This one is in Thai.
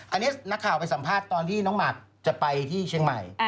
อันนี้นักข่าวไปสัมภาษณ์ตอนที่น้องหมากจะไปที่เชียงใหม่